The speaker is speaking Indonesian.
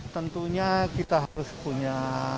tentunya kita harus punya